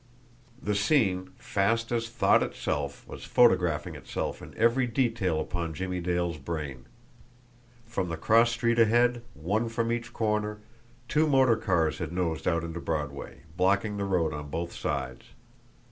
The scene, fast as thought itself, was photographing itself in every detail upon Jimmie Dale's brain. From the cross street ahead, one from each corner, two motor cars had nosed out into Broadway, blocking the road on both sides.